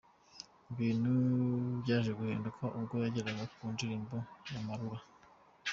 Ibintu byaje guhinduka ubwo yageraga ku ndirimbo’Amarulah’.